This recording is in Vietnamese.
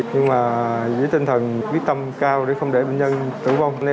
nhưng mà với tinh thần quyết tâm cao để không để bệnh nhân tử vong